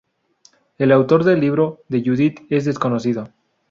El autor del Libro de Judit es desconocido.